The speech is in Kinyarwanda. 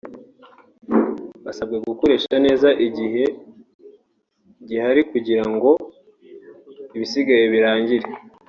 basabwe gukoresha neza igihe giharikugira ngo ibisigaye birangire